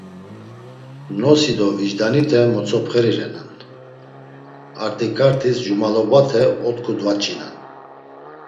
Nosi do vicdanite motzopxeri renan, artikartis cumalobate oktu dvaç̌inan.